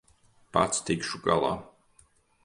Pats tikšu galā.